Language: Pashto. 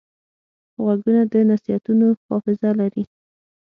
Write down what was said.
غوږونه د نصیحتونو حافظه لري